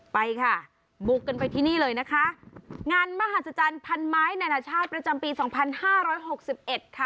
ไปค่ะบุกกันไปที่นี่เลยนะคะงานมหัศจรรย์พันไม้แนะนาชาติประจำปี๒๕๖๑ค่ะ